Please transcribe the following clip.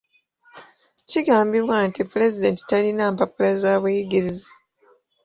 Kigambibwa nti pulezidenti talina mpapula za buyigirize.